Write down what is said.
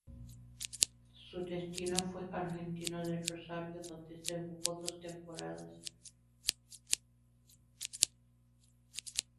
Su destino fue Argentino de Rosario, donde jugó dos temporadas.